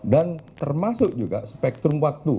dan termasuk juga spektrum waktu